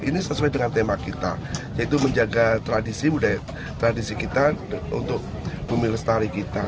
dan ini sesuai dengan tema kita yaitu menjaga tradisi muda tradisi kita untuk memilestari kita